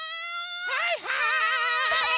はいはい！